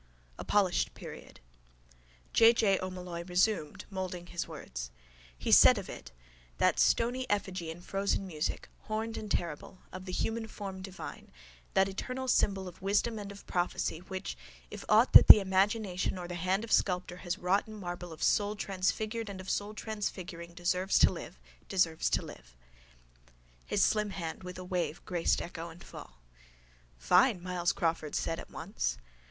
A POLISHED PERIOD J. J. O'Molloy resumed, moulding his words: —He said of it: _that stony effigy in frozen music, horned and terrible, of the human form divine, that eternal symbol of wisdom and of prophecy which, if aught that the imagination or the hand of sculptor has wrought in marble of soultransfigured and of soultransfiguring deserves to live, deserves to live._ His slim hand with a wave graced echo and fall. —Fine! Myles Crawford said at once.